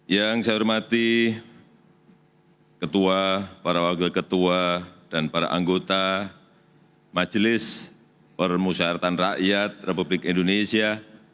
yang saya hormati ketua para wakil ketua dan para anggota majelis permusyawaratan rakyat republik indonesia